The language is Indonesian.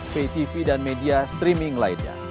pay tv dan media streaming lainnya